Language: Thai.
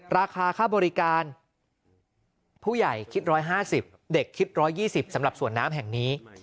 ราคาค่าบริการผู้ใหญ่คิด๑๕๐เด็กคิด๑๒๐สำหรับสวนน้ำแห่งนี้